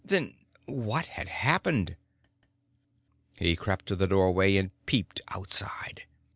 Then what had happened? He crept to the doorway and peeped outside.